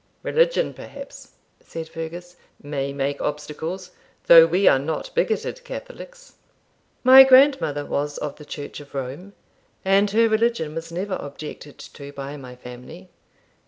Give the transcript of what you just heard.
'Religion perhaps,' said Fergus, 'may make obstacles, though we are not bigotted Catholics.' 'My grandmother was of the Church of Rome, and her religion was never objected to by my family.